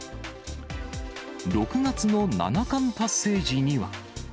６月の七冠達成時には。